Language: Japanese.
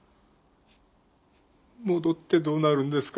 戻ってどうなるんですか？